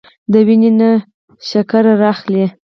د وينې نه شوګر را اخلي